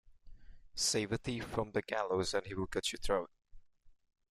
Save a thief from the gallows and he will cut your throat.